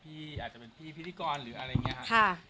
พี่อาจจะพี่พิทธิกรหรือเมื่ออะไรหละ